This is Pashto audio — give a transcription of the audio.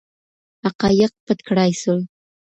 حقایق پټ کړای سول.